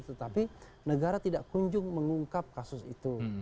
tetapi negara tidak kunjung mengungkap kasus itu